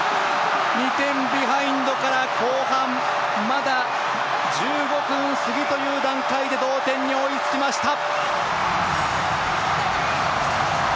２点ビハインドから後半まだ１５分過ぎという段階で同点に追いつきました！